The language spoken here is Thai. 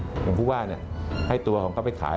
ผมพูดว่าให้ตัวของเขาไปขาย